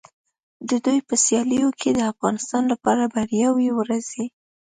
د دوی په سیالیو کې د افغانستان لپاره بریاوې ورځي.